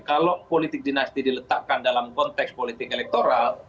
kalau politik dinasti diletakkan dalam konteks politik elektoral